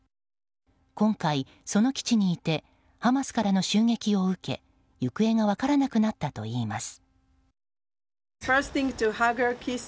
今回その基地にいてハマスからの襲撃を受け行方が分からなくなったといいます。